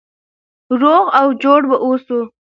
روغ او جوړ به اوسو.